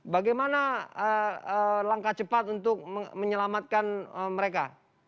bagaimana langkah cepat untuk menyelamatkan mereka